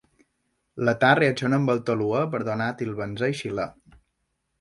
L'età reacciona amb el toluè per a donar etilbenzè i xilè.